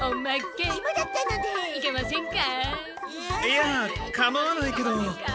いやかまわないけど。